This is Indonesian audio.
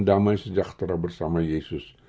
namanya sejahtera bersama yesus